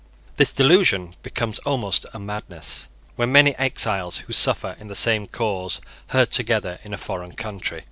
This delusion becomes almost a madness when many exiles who suffer in the same cause herd together in a foreign country.